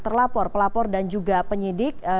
terlapor pelapor dan juga penyidik